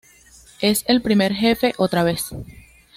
Es el primer jefe, otra vez.